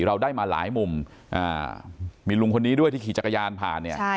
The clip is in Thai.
เราได้มาหลายมุมมีลุงคนนี้ด้วยที่ขี่จักรยานผ่านเนี่ย